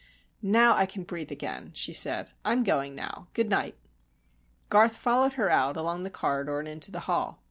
"Now I can breathe again," she said. "I am going now. Good night." Garth followed her out, along the corridor and into the hall.